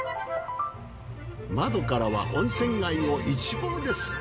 窓からは温泉街を一望です。